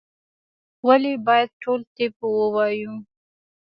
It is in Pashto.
ولي باید ټول طب ووایو؟